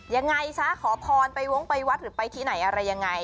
ยังไงซะขอพรไปวงไปวัดหรือไปที่ไหนอะไรยังไง